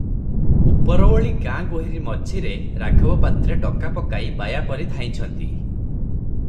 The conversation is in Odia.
ଉପର ଓଳି ଗାଁ ଗୋହିରୀ ମଝିରେ ରାଘବ ପାତ୍ରେ ଡକା ପକାଇ ବାୟା ପରି ଧାଇଁଛନ୍ତି ।